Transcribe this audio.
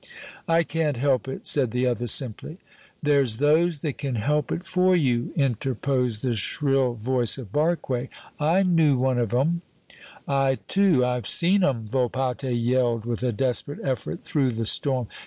"I can't help it," said the other, simply. "There's those that can help it for you," interposed the shrill voice of Barque; "I knew one of 'em " "I, too, I've seen 'em!" Volpatte yelled with a desperate effort through the storm.